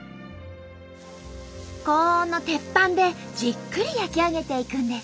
高温の鉄板でじっくり焼き上げていくんです。